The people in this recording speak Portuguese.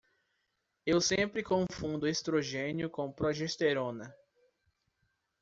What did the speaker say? Eu sempre confundo estrogênio com progesterona.